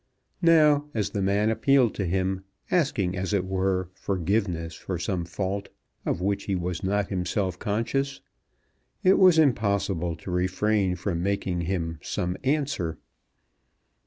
Now as the man appealed to him, asking as it were forgiveness for some fault of which he was not himself conscious, it was impossible to refrain from making him some answer.